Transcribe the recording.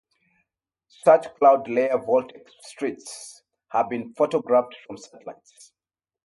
Such cloud layer vortex streets have been photographed from satellites.